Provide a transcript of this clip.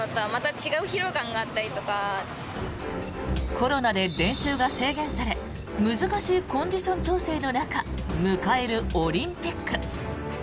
コロナで練習が制限され難しいコンディション調整の中迎えるオリンピック。